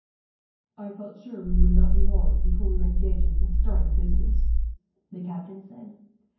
"I felt sure we should not be long before we were engaged on some stirring business," the Captain said.